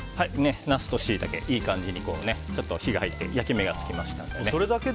ナスとシイタケいい感じに火が入って焼き目が付きましたね。